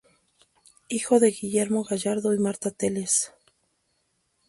Hijo de Guillermo Gallardo y Marta Tellez.